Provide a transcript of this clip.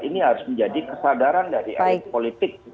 ini harus menjadi kesadaran dari elit politik